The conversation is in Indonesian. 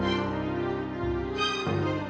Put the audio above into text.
makasih ya kak